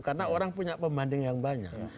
karena orang punya pembanding yang banyak